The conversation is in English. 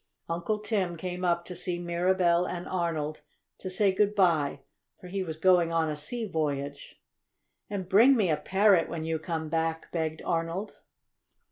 Uncle Tim came up to see Mirabell and Arnold to say good bye, for he was going on a sea voyage. "And bring me a parrot when you come back!" begged Arnold.